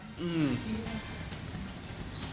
อืม